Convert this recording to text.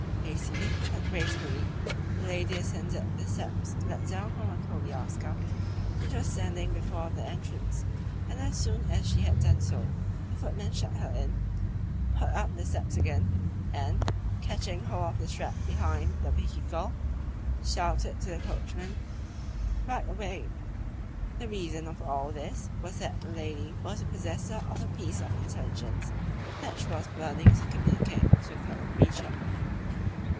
Hastily, but gracefully, the lady ascended the steps let down from a koliaska which was standing before the entrance, and as soon as she had done so the footman shut her in, put up the steps again, and, catching hold of the strap behind the vehicle, shouted to the coachman, "Right away!" The reason of all this was that the lady was the possessor of a piece of intelligence that she was burning to communicate to a fellow creature.